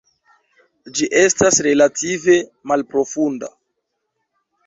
Ĝi estas relative malprofunda.